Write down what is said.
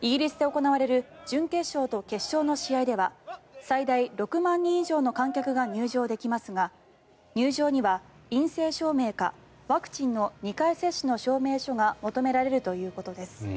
イギリスで行われる準決勝と決勝の試合では最大６万人以上の観客が入場できますが入場には陰性証明かワクチンの２回接種の証明書が求められるということです。